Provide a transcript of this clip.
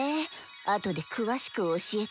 あとで詳しく教えて？